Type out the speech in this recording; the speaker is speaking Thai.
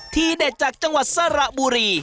เด็ดจากจังหวัดสระบุรี